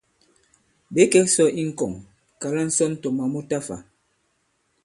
Ɓě kɛ̄k sɔ̄ i ŋkɔŋ, kàla ŋsɔn tɔ̀ moi mu ta fā.